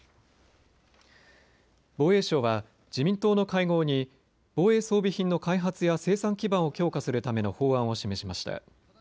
防衛省は自民党の会合に防衛装備品の開発や生産基盤を強化するための法案を示しました。